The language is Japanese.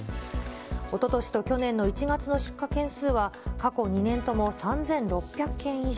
おととしと去年の１月の出火件数は、過去２年とも３６００件以上。